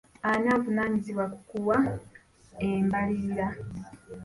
Ani avunaanyizibwa ku kuwa embalirira?